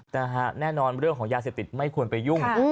แน่นอนเรื่องของยาเสพติดไม่ควรไปยุ่ง